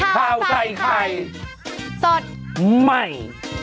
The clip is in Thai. ข่าวใส่ไข่สดใหม่